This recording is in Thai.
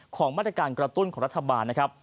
ของมาตรการกระตุ้นของรัฐบาลนะครับ